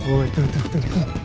oh itu itu itu